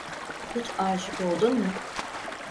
Hiç aşık oldun mu?